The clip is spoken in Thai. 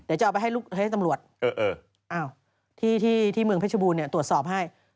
เดี๋ยวจะเอาไปให้ตำรวจที่เมืองเพชรบูรณ์ตรวจสอบให้